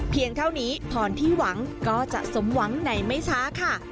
เท่านี้พรที่หวังก็จะสมหวังในไม่ช้าค่ะ